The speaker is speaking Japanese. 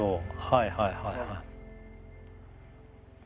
はいはいはいはい。